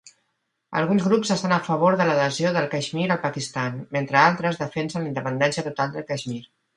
Alguns grups estan a favor de l'adhesió del Caixmir al Pakistan, mentre altres defensen la independència total del Caixmir.